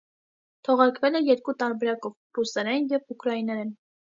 Թողարկվել է երկու տարբերակով՝ ռուսերեն և ուկրաիներեն։